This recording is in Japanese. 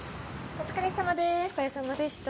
お疲れさまでした。